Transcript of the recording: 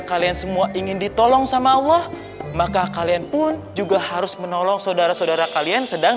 kalian semua ingin ditolong sama allah maka kalian pun juga harus menolong saudara saudara kalian sedang